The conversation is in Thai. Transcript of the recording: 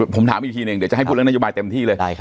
ผมถามอีกทีหนึ่งเดี๋ยวจะให้พูดเรื่องนโยบายเต็มที่เลย